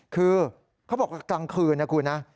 คือเขาบอกว่ากลางคืนนะคุณนะ